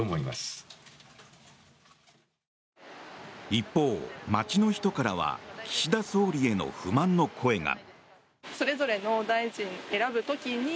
一方、街の人からは岸田総理への不満の声が。